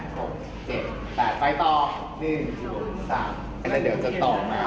สุดท้ายก็ไม่มีเวลาที่จะรักกับที่อยู่ในภูมิหน้า